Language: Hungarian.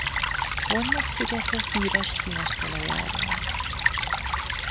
Hormuz szigete híres színes talajáról.